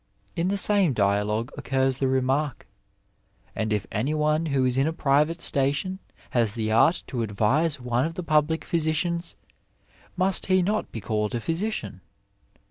In the same dialogue occurs the remark, " and if anyone who is in a private station has the art to advise one of the pubUc physicians, must he not be called a physi cian